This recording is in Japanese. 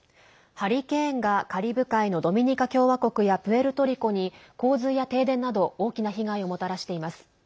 ハリケーンがカリブ海のドミニカ共和国やプエルトリコに洪水や停電など大きな被害をもたらしています。